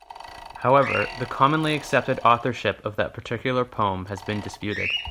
However, the commonly accepted authorship of that particular poem has been disputed.